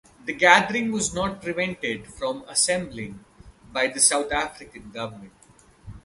The gathering was not prevented from assembling by the South African government.